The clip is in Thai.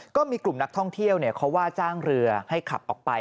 ก็มีกลุ่มนักท่องเที่ยวเขาว่าจ้างเรือให้ขับออกไป